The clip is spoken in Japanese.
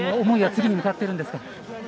思いは次に向かっているんですか？